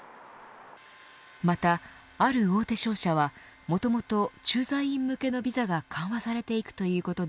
また、ある大手商社はもともと駐在員向けのビザが緩和されていくということで